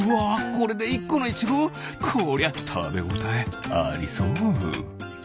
これで１このイチゴ？こりゃたべごたえありそう！